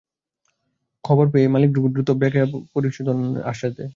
খবর পেয়ে পরে শিল্প-পুলিশ ঘটনাস্থলে এলে মালিকপক্ষ দ্রুত বকেয়া বেতন পরিশোধের আশ্বাস দেয়।